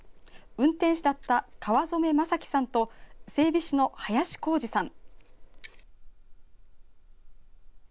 運転士だった川染政規さんと整備士の林浩二さん。